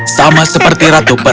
sama seperti ratu peri